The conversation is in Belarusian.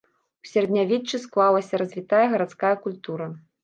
У сярэднявеччы склалася развітая гарадская культура.